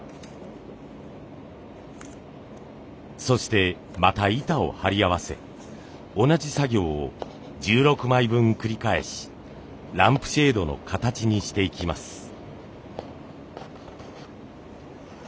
そしてまた板を貼り合わせ同じ作業を１６枚分繰り返しランプシェードの形にしていきます。